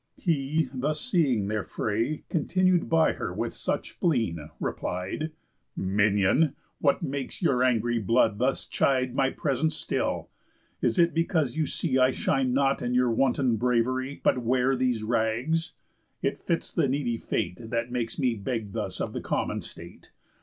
He, thus seeing their fray Continued by her with such spleen, replied: "Minion! What makes your angry blood thus chide My presence still? Is it because you see I shine not in your wanton bravery, But wear these rags? It fits the needy fate That makes me beg thus of the common state.